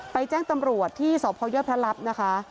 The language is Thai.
แจ้งตำรวจที่สพยพระลับนะคะ